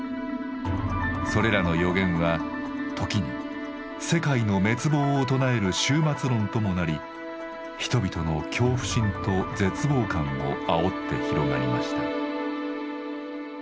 それらの予言は時に世界の滅亡を唱える終末論ともなり人々の恐怖心と絶望感をあおって広がりました。